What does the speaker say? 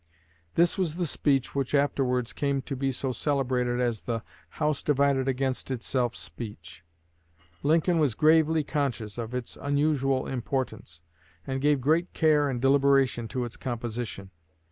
This was the speech which afterwards came to be so celebrated as the "house divided against itself" speech. Lincoln was gravely conscious of its unusual importance, and gave great care and deliberation to its composition.